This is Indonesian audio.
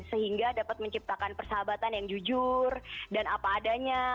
sehingga dapat menciptakan persahabatan yang jujur dan apa adanya